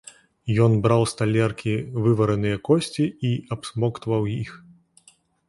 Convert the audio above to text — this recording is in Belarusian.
Ён браў з талеркі вывараныя косці і абсмоктваў іх.